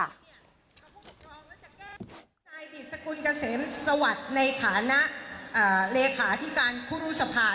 ดิสกุลเกษมสวัสดิ์ในฐานะเลขาที่การครูรุษภา